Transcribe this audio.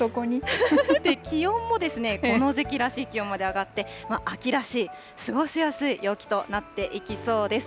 気温もこの時期らしい気温まで上がって、秋らしい、過ごしやすい陽気となっていきそうです。